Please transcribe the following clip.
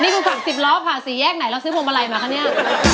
นี่คุณกลับสิบรอบค่ะสีแยกไหนแล้วซื้อผมอะไรมาคะเนี่ย